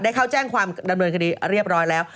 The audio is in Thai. เข้าแจ้งความดำเนินคดีเรียบร้อยแล้ว